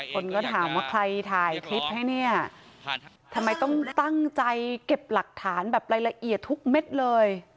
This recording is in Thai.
คนก็ถามว่าใครถ่ายคลิปให้เนี่ยทำไมต้องตั้งใจเก็บหลักฐานแบบรายละเอียดทุกเม็ดเลย